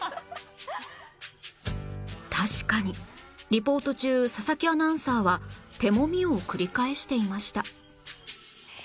確かにリポート中佐々木アナウンサーは手もみを繰り返していました